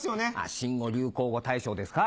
新語・流行語大賞ですか。